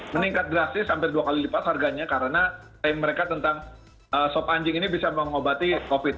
meningkat drastis sampai dua kali lipat harganya karena klaim mereka tentang sop anjing ini bisa mengobati covid